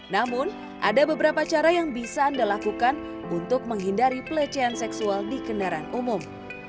namun ada beberapa cara yang bisa anda lakukan untuk menghindari pelecehan seksual di kendaraan umum